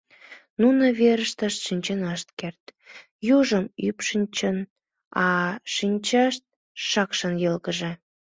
Нуно верыштышт шинчен ышт керт, южым ӱпшынчын, а шинчашт шакшын йылгыже.